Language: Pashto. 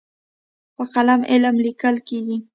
په قلم علم لیکل کېږي.